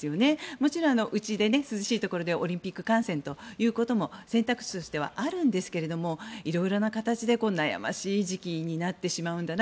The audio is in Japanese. もちろん、うちで涼しいところでオリンピック観戦ということも選択肢としてはあるんですが色々な形で悩ましい時期になってしまうんだな